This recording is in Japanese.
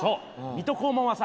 水戸黄門はさ